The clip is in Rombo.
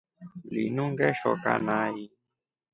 Linu ngeshoka nai.